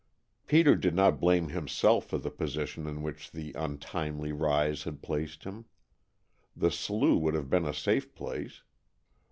Peter did not blame himself for the position in which the untimely rise had placed him. The slough should have been a safe place.